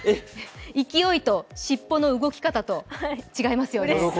勢いと尻尾の動き方と違いますよね。